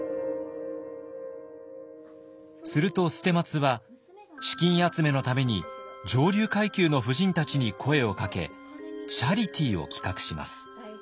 すると捨松は資金集めのために上流階級の夫人たちに声をかけチャリティを企画します。